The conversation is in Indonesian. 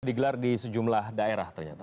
digelar di sejumlah daerah ternyata